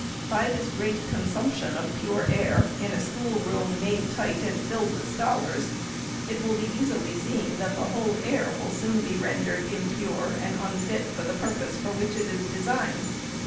By this great consumption of pure air in a schoolroom, made tight and filled with scholars, it will be easily seen that the whole air will soon be rendered impure, and unfit for the purpose for which it is designed.